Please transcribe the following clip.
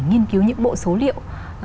nghiên cứu những bộ số liệu